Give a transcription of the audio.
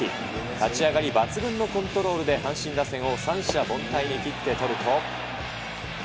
立ち上がり、抜群のコントロールで、阪神打線を三者凡退に切って取ると。